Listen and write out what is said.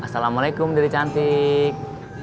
assalamualaikum dede cantik